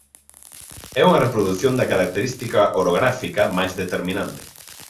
É unha reprodución da característica orográfica máis determinante.